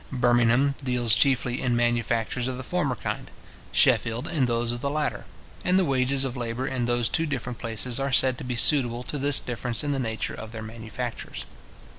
Birmingham deals chiefly in manufactures of the former kind; Sheffield in those of the latter; and the wages of labour in those two different places are said to be suitable to this difference in the nature of their manufactures.